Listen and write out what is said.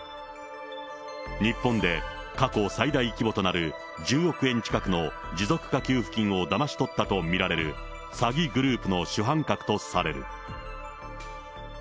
日本で過去最大規模となる１０億円近くの持続化給付金をだまし取ったと見られる詐欺グループの主犯格とされる。